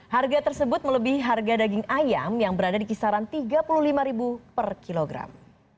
harga tersebut melebihi harga daging ayam yang berada di kisaran rp tiga puluh lima per kilogram